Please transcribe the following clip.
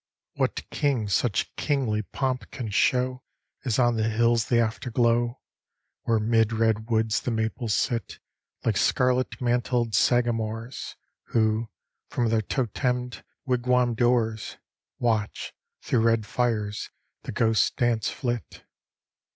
What king such kingly pomp can show As on the hills the afterglow? Where 'mid red woods the maples sit, Like scarlet mantled sagamores, Who, from their totemed wigwam doors, Watch, through red fires, the ghost dance flit.